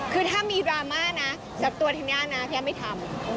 คือถ้ามีดราม่านะสัตว์ตัวที่นี่นะพี่ย่าไม่ทำ